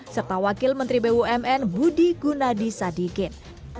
serta wakil menteri bumn budi gunadi sadikin